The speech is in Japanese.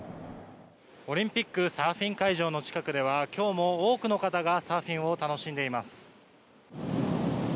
オリンピックサーフィン会場の近くでは今日も多くの方がサーフィンを楽しんでいます。